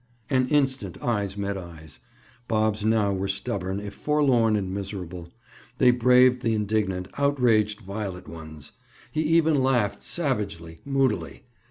An instant eyes met eyes. Bob's now were stubborn, if forlorn and miserable. They braved the indignant, outraged violet ones. He even laughed, savagely, moodily.